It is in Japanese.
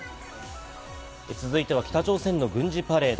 続いては北朝鮮の軍事パレード。